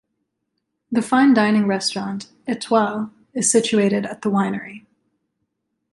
The fine dining restaurant "etoile" is situated at the winery.